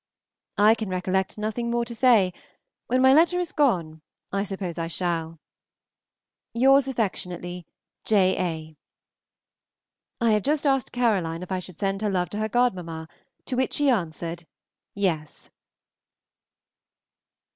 I can recollect nothing more to say. When my letter is gone, I suppose I shall. Yours affectionately, J. A. I have just asked Caroline if I should send her love to her godmamma, to which she answered "Yes."